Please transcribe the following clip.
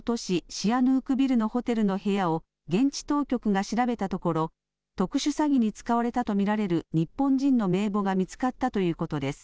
シアヌークビルのホテルの部屋を現地当局が調べたところ特殊詐欺に使われたと見られる日本人の名簿が見つかったということです。